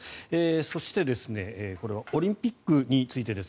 そして、これはオリンピックについてです。